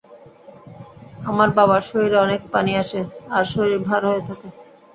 আমার বাবার শরীরে অনেক পানি আসে আর শরীর ভাড় হয়ে থাকে।